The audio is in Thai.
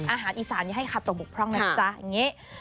อาหารอีสานอย่าให้คาโตบกพร่องนะจ๊ะอย่างนี้